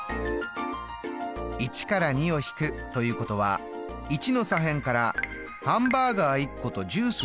１から２を引くということは１の左辺からハンバーガー１個とジュース１個を引くということです。